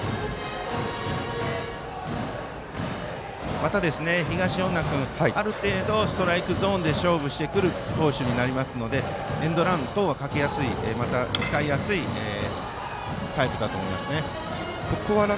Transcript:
また東恩納君、ある程度ストライクゾーンで勝負してくる投手になりますのでエンドラン等はかけやすい、使いやすいタイプだと思います。